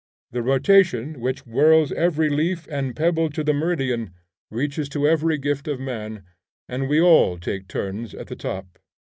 The rotation which whirls every leaf and pebble to the meridian, reaches to every gift of man, and we all take turns at the top.